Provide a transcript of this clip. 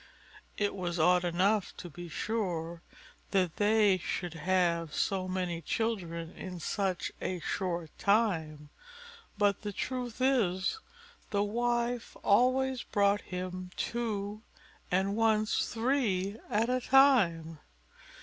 It was odd enough, to be sure, that they should have so many children in such a short time; but the truth is, the wife always brought him two and once three at a time.